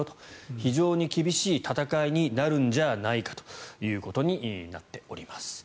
非常に厳しい戦いになるんじゃないかということになっております。